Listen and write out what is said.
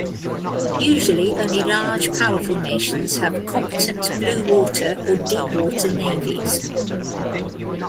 Usually, only large, powerful nations have competent blue water or deep water navies.